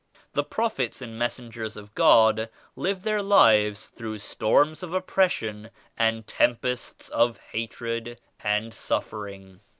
The Prophets and Messengers of God live their lives through storms of oppression and tempests of hatred and suffering.